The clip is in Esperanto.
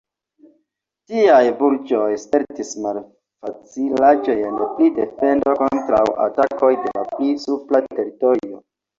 Tiaj burgoj spertis malfacilaĵojn pri defendo kontraŭ atakoj de la pli supra teritorio.